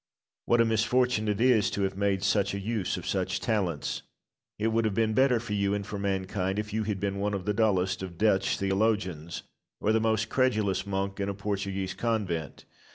What a misfortune is it to have made such a use of such talents! It would have been better for you and for mankind if you had been one of the dullest of Dutch theologians, or the most credulous monk in a Portuguese convent.